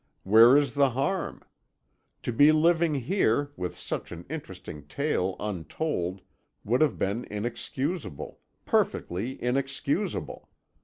Where is the harm? To be living here, with such an interesting tale untold, would have been inexcusable, perfectly inexcusable.